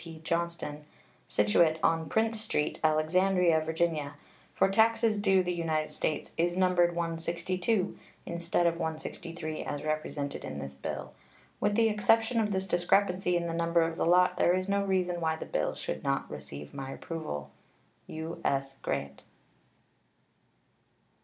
T. Johnston, situate on Prince street, Alexandria, Va., for taxes due the United States, is numbered 162, instead of 163, as represented in this bill. With the exception of this discrepancy in the number of the lot there is no reason why the bill should not receive my approval. U.S. GRANT.